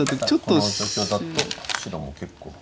ただこの状況だと白も結構。